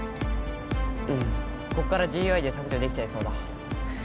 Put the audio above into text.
こっから ＧＵＩ で削除できちゃいそうだ